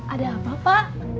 ada apa pak